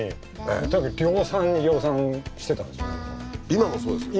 今もそうですよ。